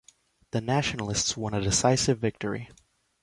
The Nationalists won a decisive victory.